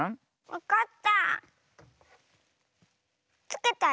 わかった。